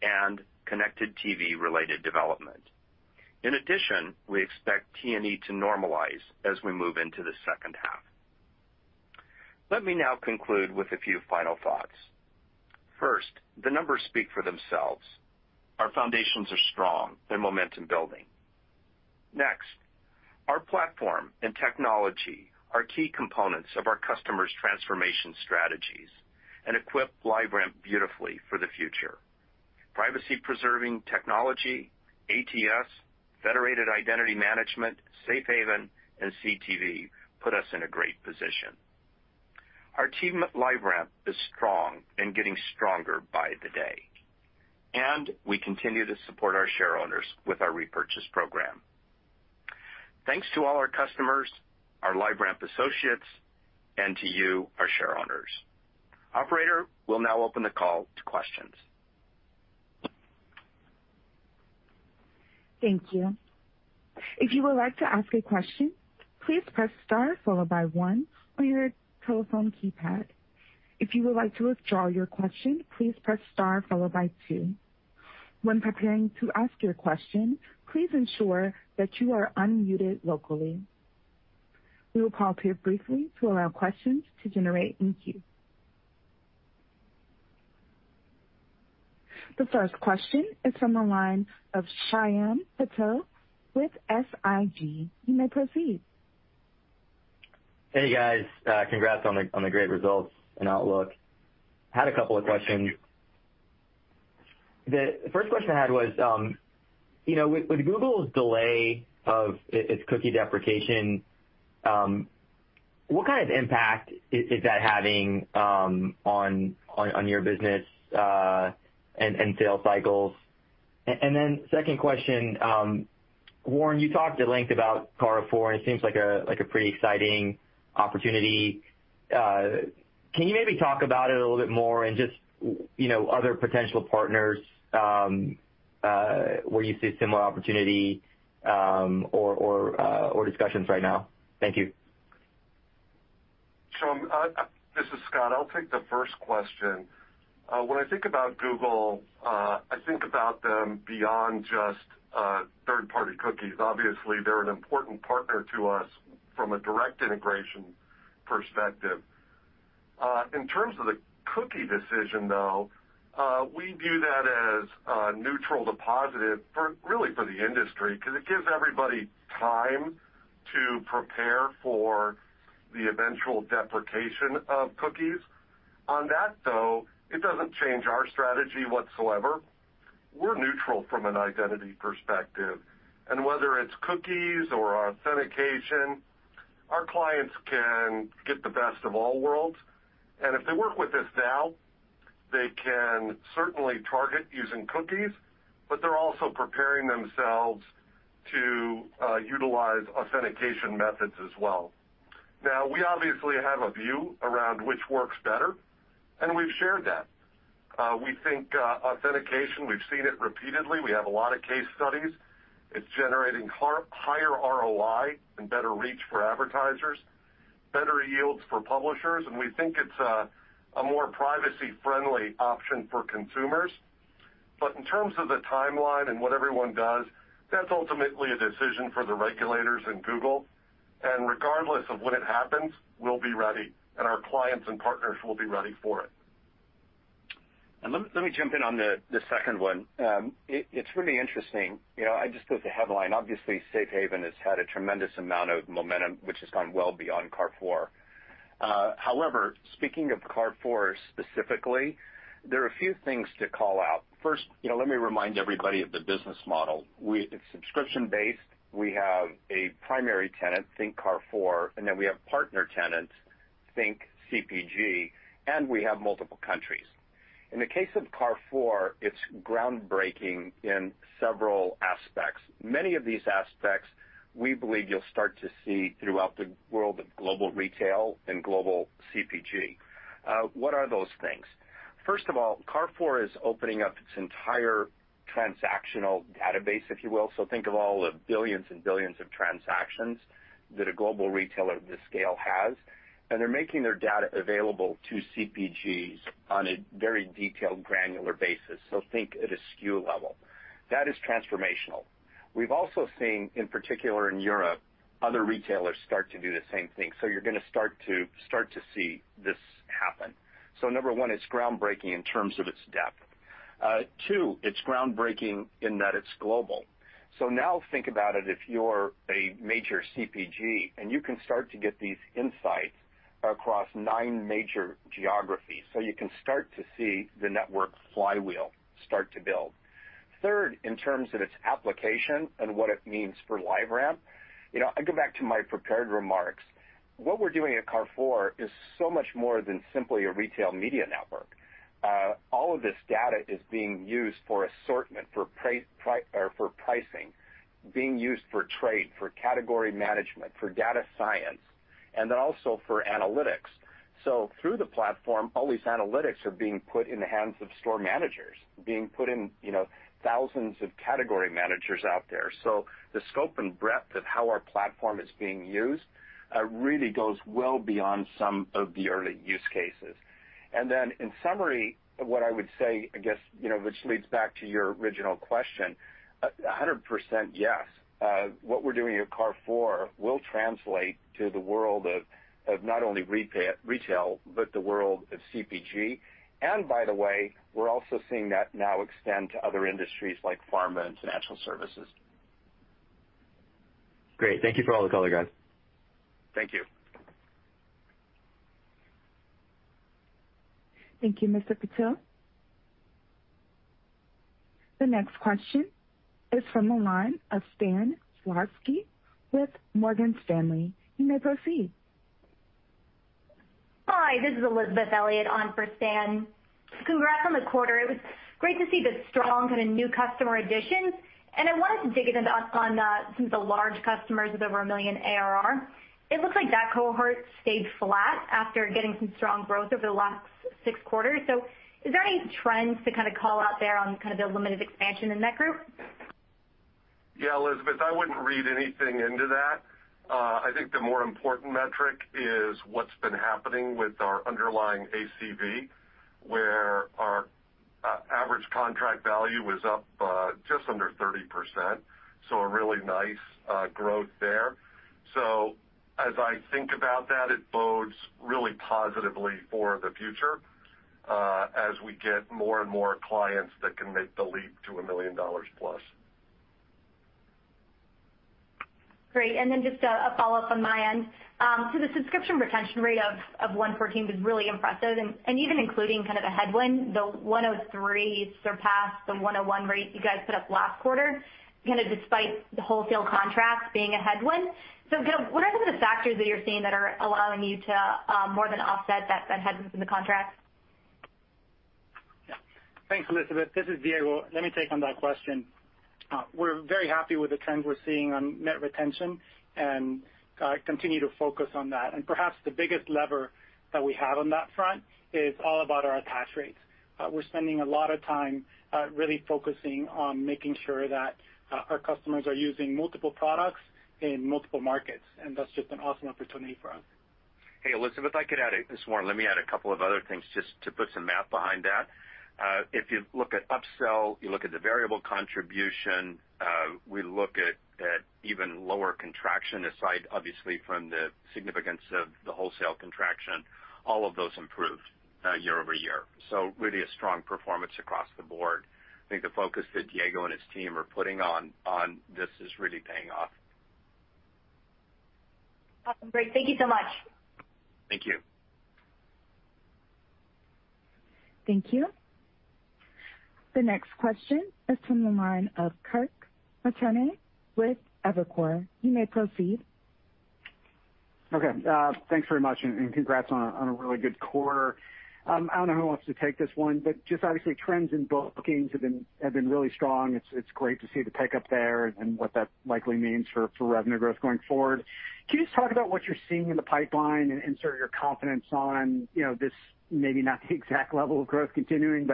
and connected TV related development. In addition, we expect T&E to normalize as we move into the second half. Let me now conclude with a few final thoughts. First, the numbers speak for themselves. Our foundations are strong and momentum building. Next, our platform and technology are key components of our customers' transformation strategies and equip LiveRamp beautifully for the future. Privacy-preserving technology, ATS, federated identity management, Safe Haven, and CTV put us in a great position. Our team at LiveRamp is strong and getting stronger by the day. We continue to support our shareowners with our repurchase program. Thanks to all our customers, our LiveRamp associates, and to you, our shareowners. Operator, we'll now open the call to questions. Thank you. If you would like to ask a question, please press star followed by one on your telephone keypad. If you would like to withdraw your question, please press star followed by two. When preparing to ask your question, please ensure that you are unmuted locally. We will pause here briefly to allow questions to generate in queue. The first question is from the line of Shyam Patil with SIG. You may proceed. Hey, guys. Congrats on the great results and outlook. Had a couple of questions. The first question I had was, with Google's delay of its cookie deprecation, what kind of impact is that having on your business and sales cycles? Second question, Warren, you talked at length about Carrefour, and it seems like a pretty exciting opportunity. Can you maybe talk about it a little bit more and just other potential partners where you see a similar opportunity or discussions right now? Thank you. Shyam, this is Scott. I'll take the first question. I think about Google, I think about them beyond just third-party cookies. Obviously, they're an important partner to us from a direct integration perspective. In terms of the cookie decision, though, we view that as neutral to positive really for the industry, because it gives everybody time to prepare for the eventual deprecation of cookies. On that, though, it doesn't change our strategy whatsoever. We're neutral from an identity perspective, and whether it's cookies or authentication, our clients can get the best of all worlds. If they work with us now, they can certainly target using cookies, but they're also preparing themselves to utilize authentication methods as well. Now, we obviously have a view around which works better, and we've shared that. We think authentication, we've seen it repeatedly. We have a lot of case studies. It's generating higher ROI and better reach for advertisers, better yields for publishers, and we think it's a more privacy-friendly option for consumers. In terms of the timeline and what everyone does, that's ultimately a decision for the regulators and Google. Regardless of when it happens, we'll be ready, and our clients and partners will be ready for it. Let me jump in on the second one. It's really interesting. I just took the headline. Obviously, Safe Haven has had a tremendous amount of momentum, which has gone well beyond Carrefour. However, speaking of Carrefour specifically, there are a few things to call out. First, let me remind everybody of the business model. It's subscription-based. We have a primary tenant, think Carrefour, and then we have partner tenants, think CPG, and we have multiple countries. In the case of Carrefour, it's groundbreaking in several aspects. Many of these aspects we believe you'll start to see throughout the world of global retail and global CPG. What are those things? First of all, Carrefour is opening up its entire transactional database, if you will. Think of all the billions and billions of transactions that a global retailer of this scale has, and they're making their data available to CPGs on a very detailed, granular basis. Think at a SKU level. That is transformational. We've also seen, in particular in Europe, other retailers start to do the same thing. You're going to start to see this happen. Number one, it's groundbreaking in terms of its depth. Two, it's groundbreaking in that it's global. Now think about it if you're a major CPG and you can start to get these insights across nine major geographies. You can start to see the network flywheel start to build. Third, in terms of its application and what it means for LiveRamp, I go back to my prepared remarks. What we're doing at Carrefour is so much more than simply a retail media network. All of this data is being used for assortment, for pricing, being used for trade, for category management, for data science, and then also for analytics. Through the platform, all these analytics are being put in the hands of store managers, being put in thousands of category managers out there. The scope and breadth of how our platform is being used really goes well beyond some of the early use cases. In summary, what I would say, I guess, which leads back to your original question, 100% yes. What we're doing at Carrefour will translate to the world of not only retail, but the world of CPG. By the way, we're also seeing that now extend to other industries like pharma and financial services. Great. Thank you for all the color, guys. Thank you. Thank you, Mr. Patil. The next question is from the line of Stan Zlotsky with Morgan Stanley. You may proceed. Hi, this is Elizabeth Elliott on for Stan. Congrats on the quarter. It was great to see the strong kind of new customer additions, and I wanted to dig into on some of the large customers with over $1 million ARR. It looks like that cohort stayed flat after getting some strong growth over the last six quarters. Is there any trends to kind of call out there on kind of the limited expansion in that group? Yeah, Elizabeth, I wouldn't read anything into that. I think the more important metric is what's been happening with our underlying ACV, where our average contract value was up just under 30%. A really nice growth there. As I think about that, it bodes really positively for the future as we get more and more clients that can make the leap to $1 million+. Great. Just a follow-up on my end. The subscription retention rate of 114 was really impressive. Even including kind of a headwind, the 103 surpassed the 101 rate you guys put up last quarter, kind of despite the wholesale contracts being a headwind. Diego, what are some of the factors that you're seeing that are allowing you to more than offset that headwind from the contracts? Yeah. Thanks, Elizabeth. This is Diego. Let me take on that question. We're very happy with the trends we're seeing on net retention and continue to focus on that. Perhaps the biggest lever that we have on that front is all about our attach rates. We're spending a lot of time really focusing on making sure that our customers are using multiple products in multiple markets, that's just an awesome opportunity for us. Hey, Elizabeth, this is Warren. Let me add a couple of other things just to put some math behind that. If you look at upsell, you look at the variable contribution, we look at even lower contraction aside, obviously, from the significance of the wholesale contraction, all of those improved year-over-year. Really a strong performance across the board. I think the focus that Diego and his team are putting on this is really paying off. Awesome. Great. Thank you so much. Thank you. Thank you. The next question is from the line of Kirk Materne with Evercore. You may proceed. Okay. Thanks very much, and congrats on a really good quarter. I don't know who wants to take this one, but just obviously trends in bookings have been really strong. It's great to see the pickup there and what that likely means for revenue growth going forward. Can you just talk about what you're seeing in the pipeline and sort of your confidence on, this maybe not the exact level of growth continuing,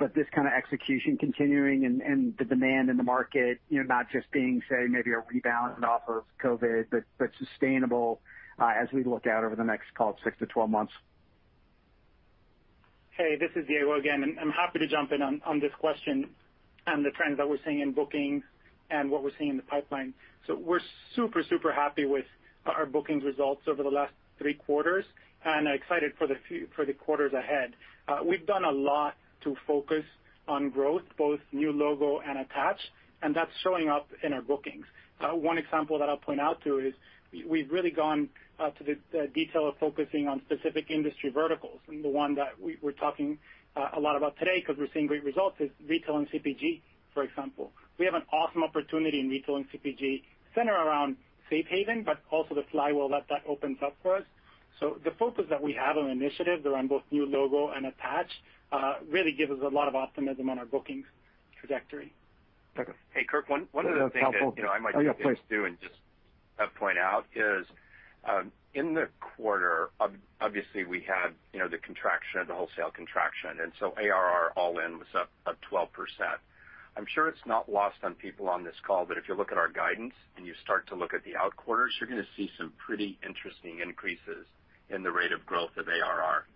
but this kind of execution continuing and the demand in the market, not just being, say, maybe a rebound off of COVID, but sustainable as we look out over the next, call it 6-12 months? Hey, this is Diego again. I'm happy to jump in on this question and the trends that we're seeing in bookings and what we're seeing in the pipeline. We're super happy with our bookings results over the last three quarters and excited for the quarters ahead. We've done a lot to focus on growth, both new logo and attach. That's showing up in our bookings. One example that I'll point out, too, is we've really gone to the detail of focusing on specific industry verticals. The one that we're talking a lot about today, because we're seeing great results, is retail and CPG, for example. We have an awesome opportunity in retail and CPG centered around Safe Haven. Also the flywheel that that opens up for us. The focus that we have on initiatives around both new logo and attach really gives us a lot of optimism on our bookings trajectory. Hey, Kirk, one other thing that. Oh, yeah, please. I might just do and just point out is in the quarter, obviously we had the contraction, the wholesale contraction, ARR all in was up 12%. I'm sure it's not lost on people on this call, if you look at our guidance and you start to look at the out quarters, you're going to see some pretty interesting increases in the rate of growth of ARR.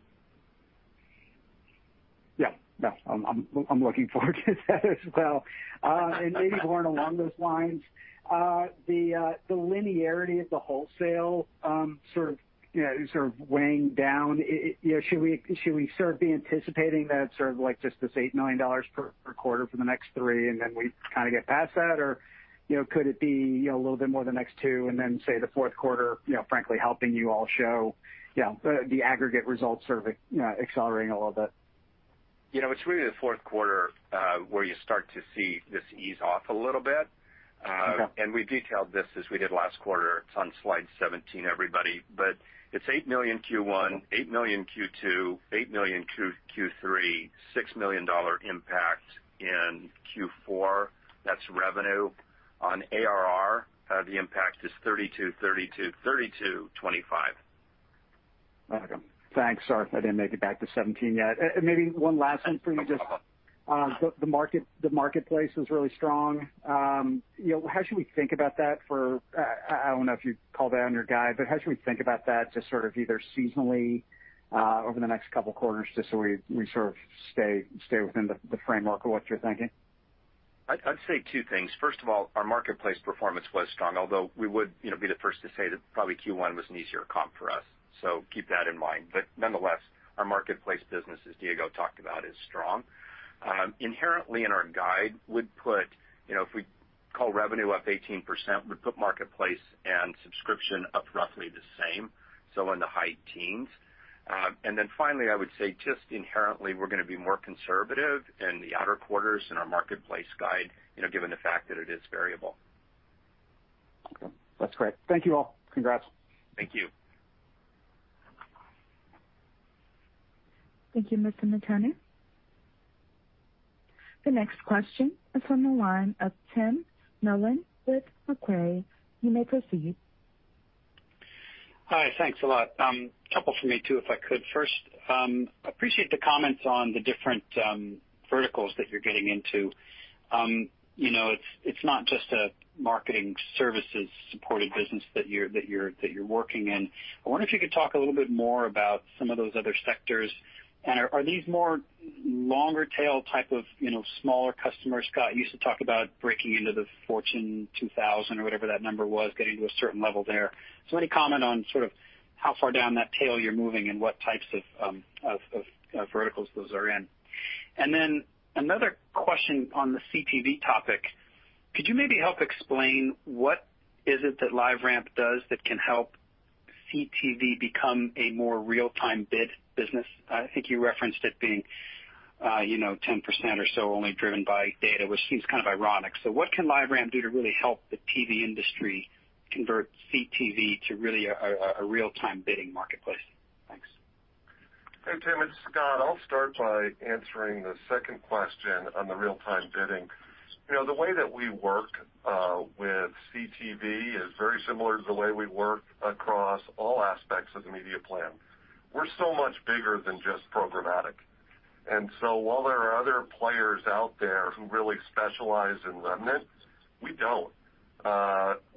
Yeah. No, I'm looking forward to that as well. Maybe, Warren, along those lines, the linearity of the wholesale sort of weighing down, should we sort of be anticipating that sort of like just this $8 million per quarter for the next three, and then we kind of get past that? Could it be a little bit more the next two and then, say, the fourth quarter, frankly, helping you all show the aggregate results sort of accelerating a little bit? It's really the fourth quarter where you start to see this ease off a little bit. Okay. We detailed this as we did last quarter. It's on slide 17, everybody. It's $8 million Q1, $8 million Q2, $8 million Q3, $6 million impact in Q4. That's revenue. On ARR, the impact is 32, 32, 32, 25. Welcome. Thanks. Sorry, I didn't make it back to 17 yet. Maybe one last thing for you, just the marketplace was really strong. How should we think about that for, I don't know if you'd call that in your guide, but how should we think about that just sort of either seasonally over the next couple quarters, just so we sort of stay within the framework of what you're thinking? I'd say two things. First of all, our marketplace performance was strong, although we would be the first to say that probably Q1 was an easier comp for us. Keep that in mind. Nonetheless, our marketplace business, as Diego talked about, is strong. Inherently in our guide, we'd put, if we call revenue up 18%, we'd put marketplace and subscription up roughly the same, so in the high teens. Finally, I would say just inherently, we're going to be more conservative in the outer quarters in our marketplace guide, given the fact that it is variable. Okay. That's great. Thank you all. Congrats. Thank you. Thank you, Mr. Materne. The next question is from the line of Tim Nollen with Macquarie. You may proceed. Hi. Thanks a lot. Couple for me, too, if I could. First, appreciate the comments on the different verticals that you're getting into. It's not just a marketing services supported business that you're working in. I wonder if you could talk a little bit more about some of those other sectors, and are these more longer tail type of smaller customers? Scott, you used to talk about breaking into the Fortune 2000 or whatever that number was, getting to a certain level there. Any comment on sort of how far down that tail you're moving and what types of verticals those are in? Another question on the CTV topic. Could you maybe help explain what is it that LiveRamp does that can help CTV become a more real-time bid business? I think you referenced it being 10% or so only driven by data, which seems kind of ironic. What can LiveRamp do to really help the TV industry convert CTV to really a real-time bidding marketplace? Thanks. Hey, Tim, it's Scott. I'll start by answering the second question on the real-time bidding. The way that we work with CTV is very similar to the way we work across all aspects of the media plan. We're so much bigger than just programmatic. While there are other players out there who really specialize in remnant, we don't.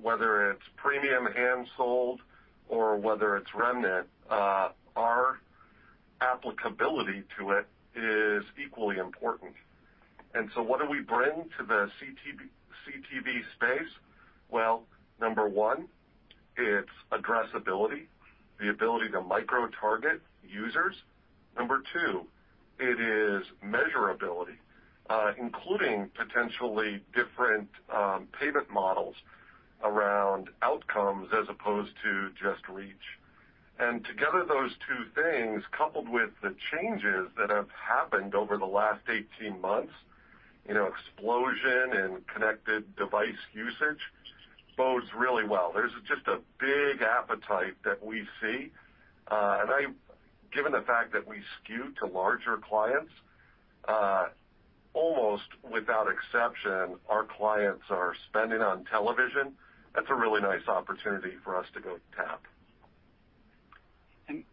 Whether it's premium hand sold or whether it's remnant, our applicability to it is equally important. What do we bring to the CTV space? Well, number one, it's addressability, the ability to micro-target users. Number two, it is measurability, including potentially different payment models around outcomes as opposed to just reach. Together, those two things, coupled with the changes that have happened over the last 18 months, explosion in connected device usage, bodes really well. There's just a big appetite that we see. Given the fact that we skew to larger clients, almost without exception, our clients are spending on television. That's a really nice opportunity for us to go tap.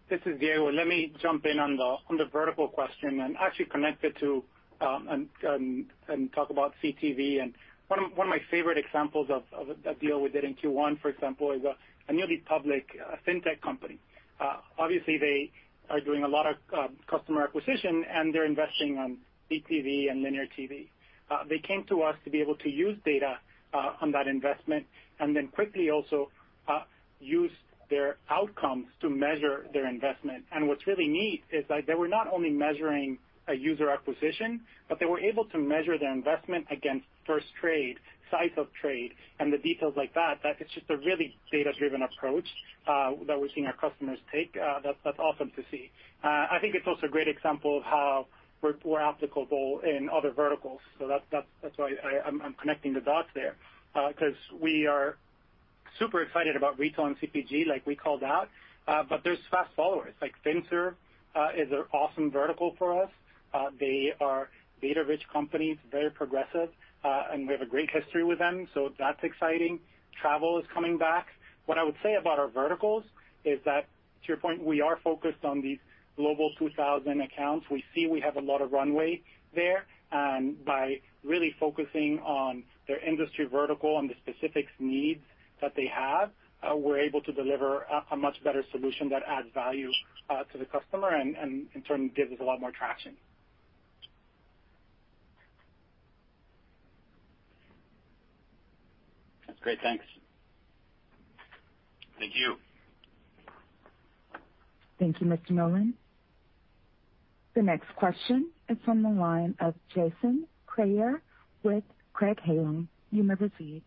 This is Diego. Let me jump in on the vertical question and actually connect it to, and talk about CTV. One of my favorite examples of a deal we did in Q1, for example, is a newly public fintech company. Obviously, they are doing a lot of customer acquisition, and they're investing on CTV and linear TV. They came to us to be able to use data on that investment and then quickly also use their outcomes to measure their investment. What's really neat is that they were not only measuring a user acquisition, but they were able to measure their investment against first trade, size of trade, and the details like that. That is just a really data-driven approach that we're seeing our customers take. That's awesome to see. I think it's also a great example of how we're applicable in other verticals. That's why I'm connecting the dots there, because we are super excited about retail and CPG like we called out. There's fast followers, like FinServ is an awesome vertical for us. They are data-rich companies, very progressive, and we have a great history with them. That's exciting. Travel is coming back. What I would say about our verticals is that to your point, we are focused on these Global 2000 accounts. We see we have a lot of runway there. By really focusing on their industry vertical and the specific needs that they have, we're able to deliver a much better solution that adds value to the customer and in turn, gives us a lot more traction. That's great. Thanks. Thank you. Thank you, Mr. Nollen. The next question is from the line of Jason Kreyer with Craig-Hallum. You may proceed.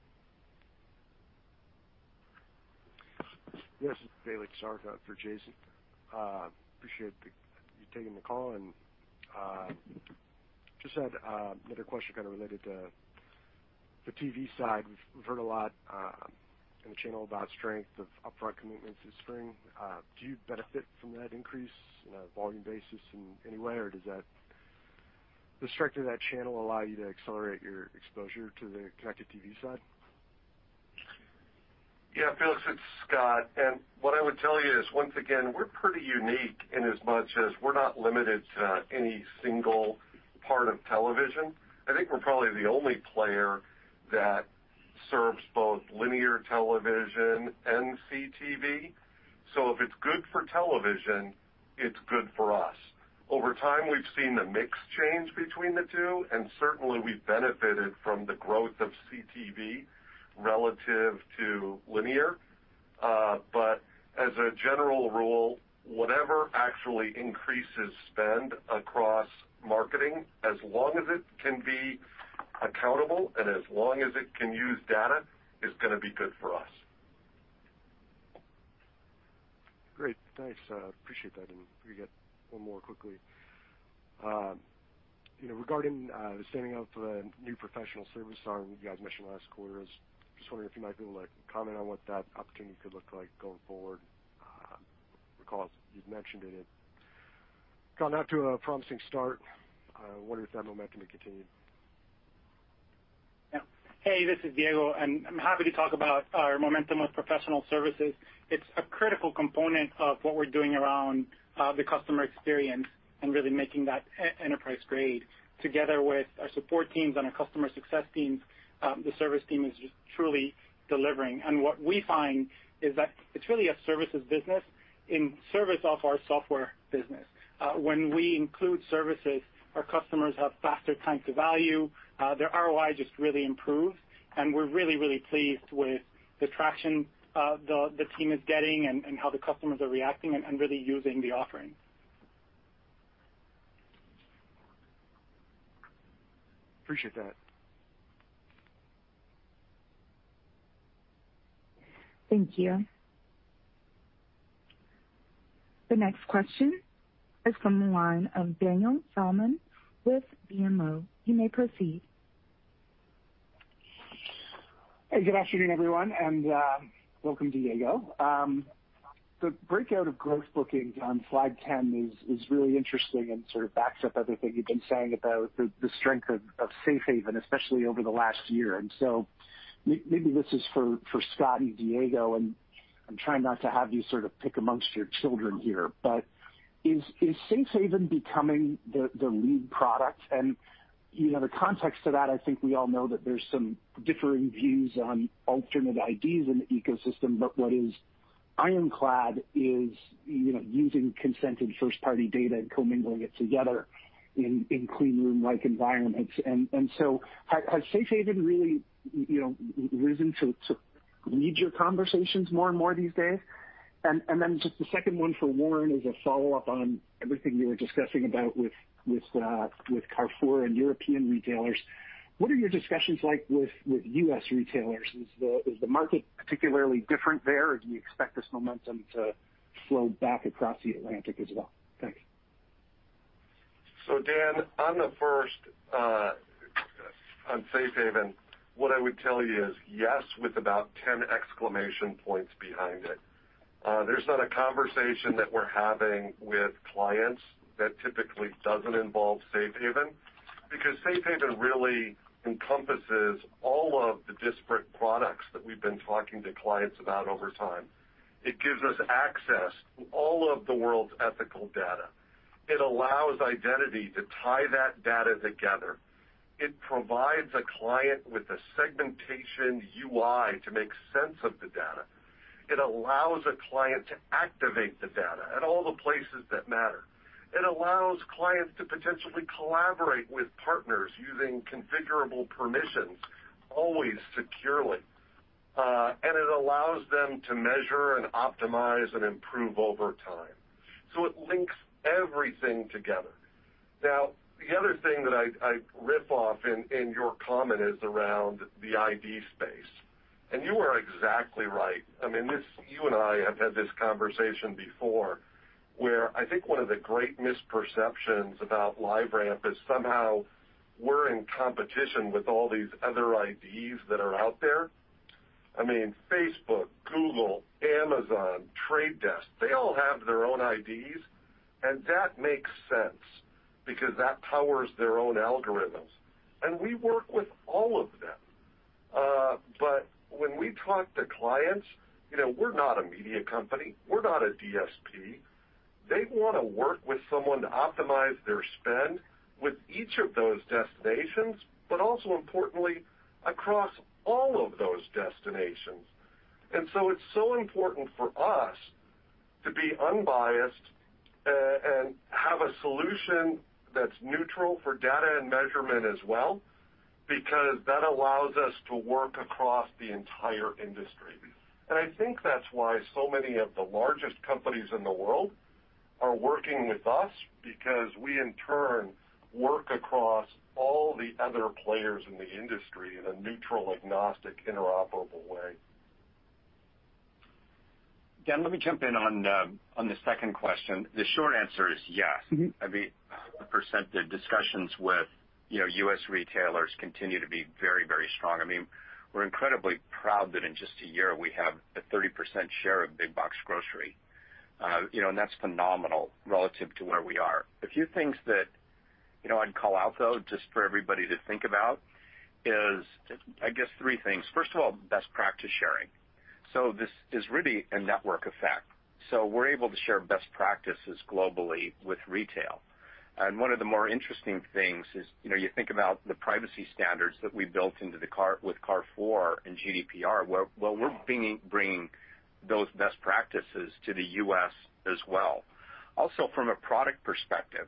This is Diego, and I'm happy to talk about our momentum with professional services. It's a critical component of what we're doing around the customer experience and really making that enterprise-grade. Together with our support teams and our customer success teams, the service team is just truly delivering. What we find is that it's really a services business in service of our software business. When we include services, our customers have faster time to value, their ROI just really improves, and we're really, really pleased with the traction the team is getting and how the customers are reacting and really using the offering. Thank you. The next question is from the line of Daniel Salmon with BMO. You may proceed. Hey, good afternoon, everyone, welcome to Diego. The breakout of gross bookings on slide 10 is really interesting and sort of backs up everything you've been saying about the strength of Safe Haven, especially over the last year. Maybe this is for Scott and Diego, I'm trying not to have you sort of pick amongst your children here, is Safe Haven becoming the lead product? The context to that, I think we all know that there's some differing views on alternate IDs in the ecosystem, what is ironclad is using consented first-party data and co-mingling it together in clean room like environments. Has Safe Haven really risen to lead your conversations more and more these days? Just the second one for Warren is a follow-up on everything you were discussing about with Carrefour and European retailers. What are your discussions like with U.S. retailers? Is the market particularly different there? Do you expect this momentum to flow back across the Atlantic as well? Thanks. Dan, on the first, on Safe Haven, what I would tell you is yes, with about 10 exclamation points behind it. There's not a conversation that we're having with clients that typically doesn't involve Safe Haven, because Safe Haven really encompasses all of the disparate products that we've been talking to clients about over time. It gives us access to all of the world's ethical data. It allows identity to tie that data together. It provides a client with a segmentation UI to make sense of the data. It allows a client to activate the data at all the places that matter. It allows clients to potentially collaborate with partners using configurable permissions, always securely. It allows them to measure and optimize and improve over time. It links everything together. The other thing that I riff off in your comment is around the ID space. You are exactly right. You and I have had this conversation before where I think one of the great misperceptions about LiveRamp is somehow we're in competition with all these other IDs that are out there. Facebook, Google, Amazon, The Trade Desk, they all have their own IDs, and that makes sense because that powers their own algorithms. We work with all of them. When we talk to clients, we're not a media company. We're not a DSP. They want to work with someone to optimize their spend with each of those destinations, but also importantly, across all of those destinations. It's so important for us to be unbiased and have a solution that's neutral for data and measurement as well, because that allows us to work across the entire industry. I think that's why so many of the largest companies in the world are working with us because we in turn work across all the other players in the industry in a neutral, agnostic, interoperable way. Dan, let me jump in on the second question. The short answer is yes. The percent discussions with U.S. retailers continue to be very strong. We're incredibly proud that in just a year we have a 30% share of big box grocery. That's phenomenal relative to where we are. A few things that I'd call out, though, just for everybody to think about is, I guess three things. First of all, best practice sharing. This is really a network effect. We're able to share best practices globally with retail. One of the more interesting things is, you think about the privacy standards that we built with Carrefour and GDPR, where we're bringing those best practices to the U.S. as well. Also from a product perspective,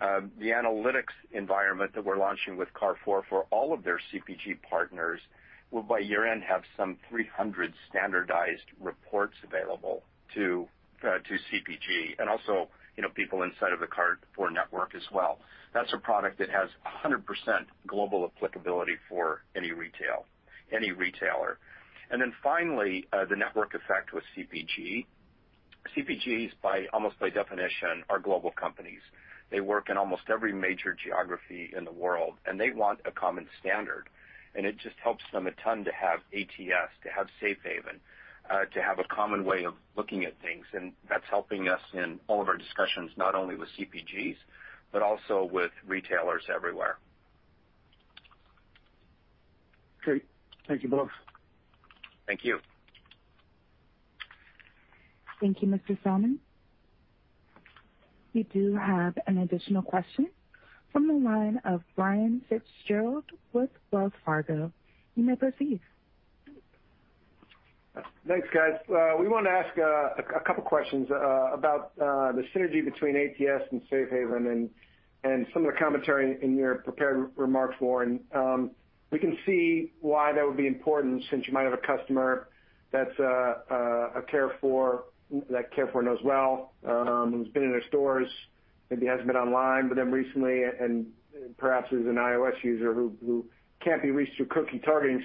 the analytics environment that we're launching with Carrefour for all of their CPG partners will by year-end have some 300 standardized reports available to CPG and also people inside of the Carrefour network as well. That's a product that has 100% global applicability for any retailer. Finally, the network effect with CPG. CPGs, almost by definition, are global companies. They work in almost every major geography in the world, and they want a common standard. It just helps them a ton to have ATS, to have Safe Haven, to have a common way of looking at things. That's helping us in all of our discussions, not only with CPGs, but also with retailers everywhere. Great. Thank you both. Thank you. Thank you, Mr. Salmon. We do have an additional question from the line of Brian FitzGerald with Wells Fargo. You may proceed. Thanks, guys. We want to ask a couple questions about the synergy between ATS and Safe Haven and some of the commentary in your prepared remarks, Warren. We can see why that would be important since you might have a customer that Carrefour knows well, who's been in their stores, maybe hasn't been online with them recently, and perhaps is an iOS user who can't be reached through cookie targeting.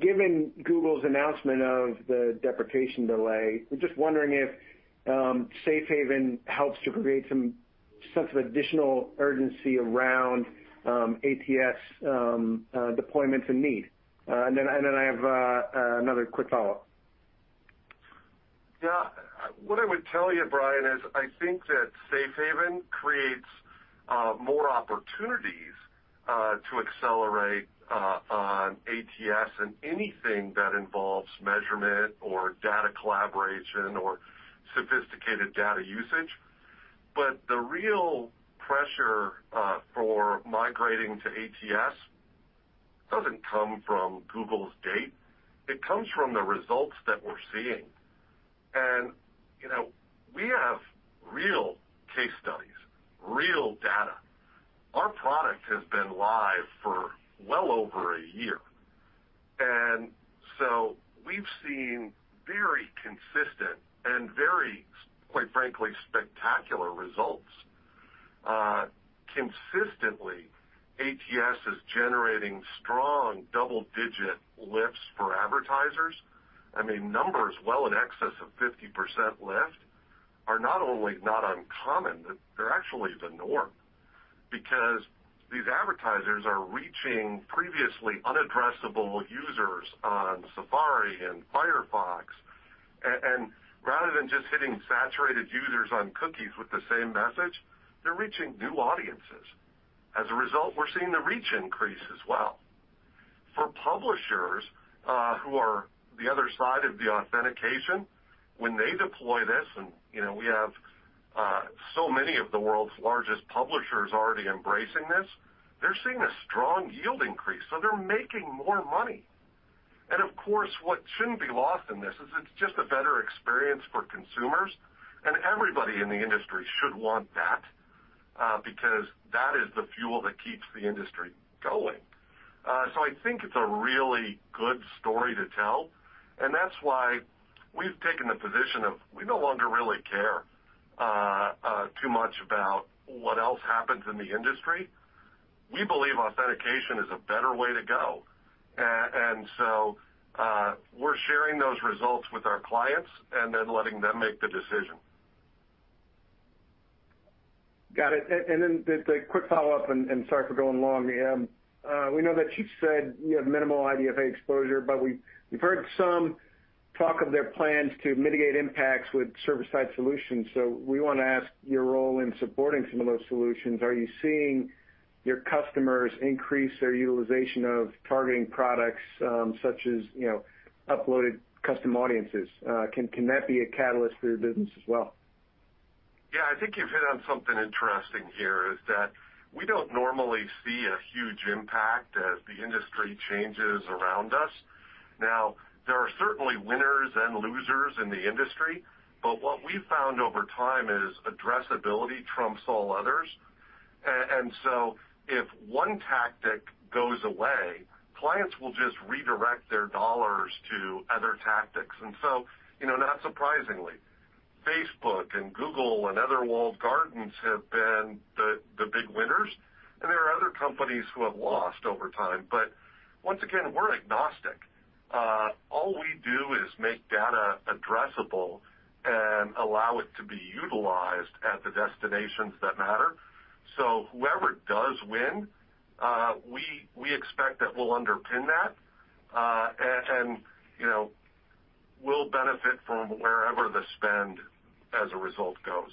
Given Google's announcement of the deprecation delay, we're just wondering if Safe Haven helps to create some sense of additional urgency around ATS deployments and need. I have another quick follow-up. Yeah. What I would tell you, Brian, is I think that Safe Haven creates more opportunities to accelerate on ATS and anything that involves measurement or data collaboration or sophisticated data usage. The real pressure for migrating to ATS doesn't come from Google's date. It comes from the results that we're seeing. We have real case studies, real data. Our product has been live for well over a year, we've seen very consistent and very, quite frankly, spectacular results. Consistently, ATS is generating strong double-digit lifts for advertisers. Numbers well in excess of 50% lift are not only not uncommon, but they're actually the norm because these advertisers are reaching previously unaddressable users on Safari and Firefox. Rather than just hitting saturated users on cookies with the same message, they're reaching new audiences. As a result, we're seeing the reach increase as well. For publishers, who are the other side of the authentication, when they deploy this, and we have so many of the world's largest publishers already embracing this, they're seeing a strong yield increase, so they're making more money. Of course, what shouldn't be lost in this is it's just a better experience for consumers, and everybody in the industry should want that, because that is the fuel that keeps the industry going. I think it's a really good story to tell, and that's why we've taken the position of we no longer really care too much about what else happens in the industry. We believe authentication is a better way to go. We're sharing those results with our clients and then letting them make the decision. Got it. The quick follow-up, sorry for going long. We know that you've said you have minimal IDFA exposure, we've heard some talk of their plans to mitigate impacts with server-side solutions. We want to ask your role in supporting some of those solutions. Are you seeing your customers increase their utilization of targeting products such as uploaded custom audiences? Can that be a catalyst for your business as well? Yeah. I think you've hit on something interesting here, is that we don't normally see a huge impact as the industry changes around us. There are certainly winners and losers in the industry, but what we've found over time is addressability trumps all others. If one tactic goes away, clients will just redirect their dollars to other tactics. Not surprisingly, Facebook and Google and other walled gardens have been the big winners, and there are other companies who have lost over time. Once again, we're agnostic. All we do is make data addressable and allow it to be utilized at the destinations that matter. Whoever does win, we expect that we'll underpin that, and we'll benefit from wherever the spend as a result goes.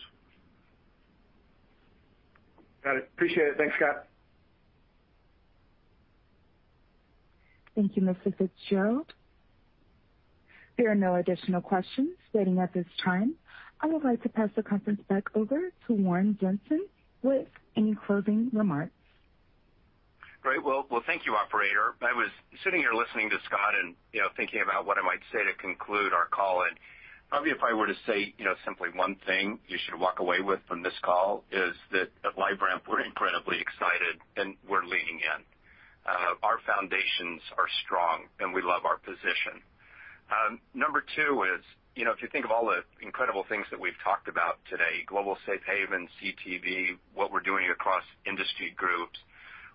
Got it. Appreciate it. Thanks, Scott. Thank you, Mr. FitzGerald. There are no additional questions waiting at this time. I would like to pass the conference back over to Warren Jenson with any closing remarks. Great. Well, thank you, operator. I was sitting here listening to Scott and thinking about what I might say to conclude our call, and probably if I were to say simply one thing you should walk away with from this call, is that at LiveRamp, we're incredibly excited and we're leaning in. Our foundations are strong, and we love our position. Number two is, if you think of all the incredible things that we've talked about today, Global Safe Haven, CTV, what we're doing across industry groups,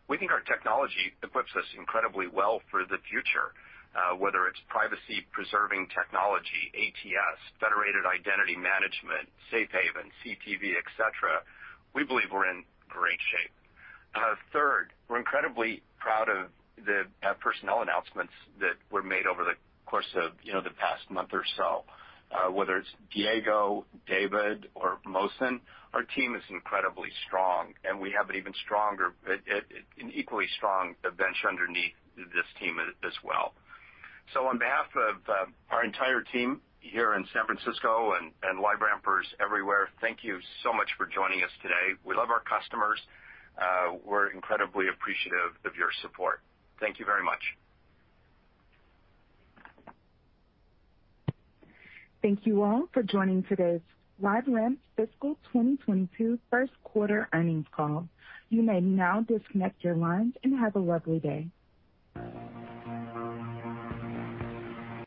we think our technology equips us incredibly well for the future. Whether it's privacy-preserving technology, ATS, federated identity management, Safe Haven, CTV, et cetera, we believe we're in great shape. Third, we're incredibly proud of the personnel announcements that were made over the course of the past month or so. Whether it's Diego, David, or Mohsin, our team is incredibly strong, and we have an equally strong bench underneath this team as well. On behalf of our entire team here in San Francisco and LiveRampers everywhere, thank you so much for joining us today. We love our customers. We're incredibly appreciative of your support. Thank you very much. Thank you all for joining today's LiveRamp Fiscal 2022 First Quarter Earnings Call. You may now disconnect your lines and have a lovely day.